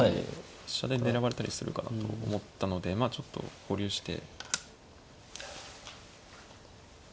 飛車で狙われたりするかなと思ったのでまあちょっと保留して。